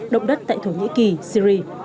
động đất tại thổ nhĩ kỳ syria